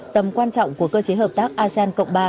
tầm quan trọng của cơ chế hợp tác asean cộng ba